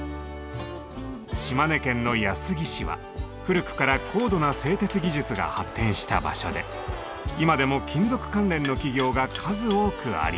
島根県の安来市は古くから高度な製鉄技術が発展した場所で今でも金属関連の企業が数多くあります。